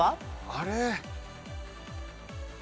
あれ？